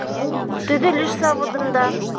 Төҙөлөш заводында